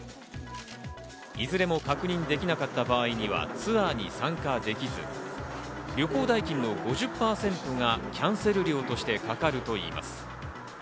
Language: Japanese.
いずれも確認できなかった場合にはツアーに参加できず、旅行代金の５０％がキャンセル料としてかかるといいます。